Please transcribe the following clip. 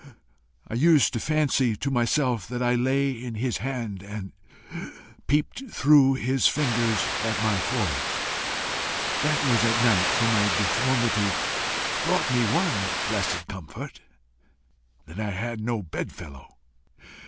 I used to fancy to myself that I lay in his hand and peeped through his fingers at my foes. That was at night, for my deformity brought me one blessed comfort that I had no bedfellow.